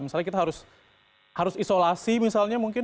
misalnya kita harus isolasi misalnya mungkin